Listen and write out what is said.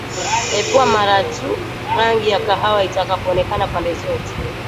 epua mara tu rangi ya kahawia itakapoonekana pande zote